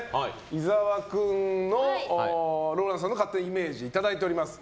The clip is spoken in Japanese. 伊沢君のＲＯＬＡＮＤさんの勝手なイメージいただいております。